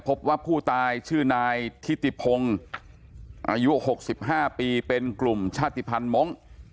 พบว่าผู้ตายชื่อนายทิติพงศ์อายุ๖๕ปีเป็นกลุ่มชาติภัณฑ์มงค์